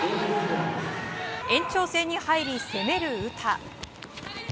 延長戦に入り、攻める詩。